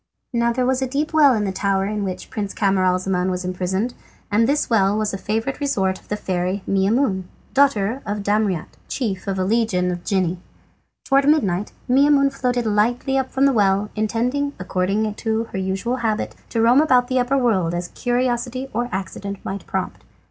Now there was a deep well in the tower in which Prince Camaralzaman was imprisoned, and this well was a favourite resort of the fairy Maimoune, daughter of Damriat, chief of a legion of genii. Towards midnight Maimoune floated lightly up from the well, intending, according to her usual habit, to roam about the upper world as curiosity or accident might prompt.